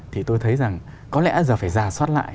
thì tôi thấy rằng có lẽ giờ phải ra soát lại